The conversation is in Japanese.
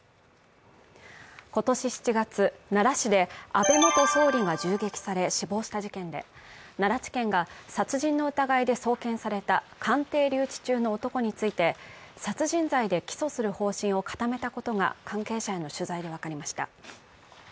今年７月、奈良市で安倍元総理が銃撃され死亡した事件で、奈良地検が殺人の疑いで送検された鑑定留置中の男について殺人罪で起訴する方針を固めたことが関係者への取材で分かりました。